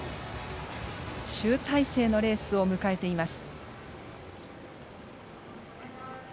集大成のレースを迎えています。